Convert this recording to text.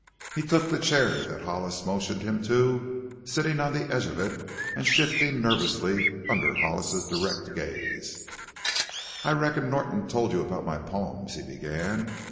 He took the chair that Hollis motioned him to, sitting on the edge of it and shifting nervously under Hollis's direct gaze. "I reckon Norton told you about my poems," he began.